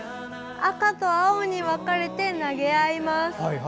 赤と青に分かれて投げ合います。